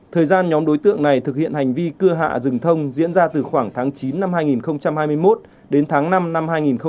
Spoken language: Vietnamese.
thời gian nhóm đối tượng này thực hiện hành vi cưa hạ rừng thông diễn ra từ khoảng tháng chín năm hai nghìn hai mươi một đến tháng năm năm hai nghìn hai mươi ba